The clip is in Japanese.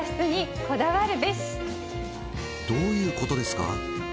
どういうことですか？